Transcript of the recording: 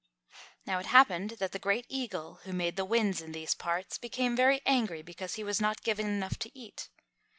Now it happened that the Great Eagle who made the Winds in these parts became very angry because he was not given enough to eat.